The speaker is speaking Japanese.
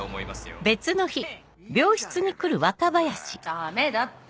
ダメだって。